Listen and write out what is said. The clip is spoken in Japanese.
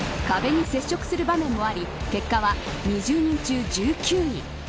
壁に接触する場面もあり結果は２０人中１９位。